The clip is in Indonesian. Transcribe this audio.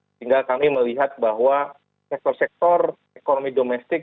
sehingga kami melihat bahwa sektor sektor ekonomi domestik